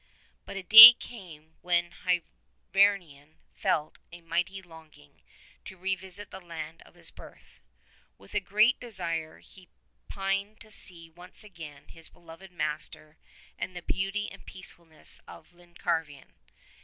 But a day came when Hyvarnion felt a mighty longing to revisit the land of his birth. With a great desire he pined to see once again his beloved master and the beauty and peacefulness of Llancarvan.